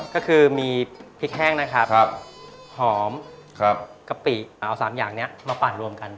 ก็คือมีพริกแห้งนะครับหอมกะปิเอา๓อย่างนี้มาปั่นรวมกัน